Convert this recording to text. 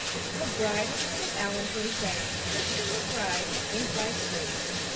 McBride recruited Allen for his band, Christian McBride and Inside Straight.